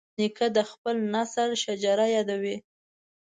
نیکه د خپل نسل شجره یادوي.